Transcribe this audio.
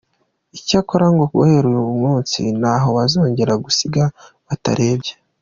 Icyakora, ngo guhera uyu munsi nta ho bazongera gusiga batarebye.